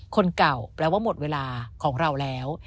คนเก่าแปลว่าหมดเวลาของเราแล้ว